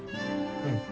うん。